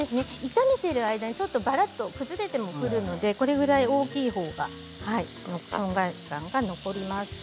炒めているときに崩れてもくるのでこれぐらい大きいほうが存在感が残ります。